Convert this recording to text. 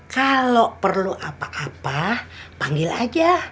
kalau perlu apa apa panggil aja